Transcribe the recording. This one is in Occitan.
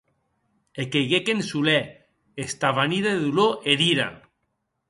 E queiguec en solèr, estavanida de dolor e d’ira.